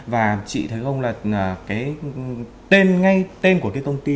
và chị thấy ông là cái tên ngay tên của cái công ty